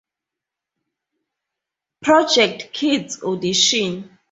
Project Kids Audition.